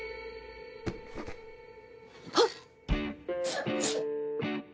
あっ！